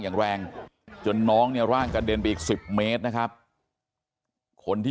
อย่างแรงจนน้องเนี่ยร่างกระเด็นไปอีก๑๐เมตรนะครับคนที่